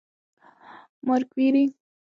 ماري کوري د لابراتوار وسایل په پاکوالي وساتل.